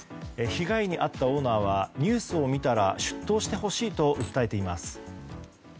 被害に遭ったオーナーはニュースを見たら出頭してほしいと訴えています。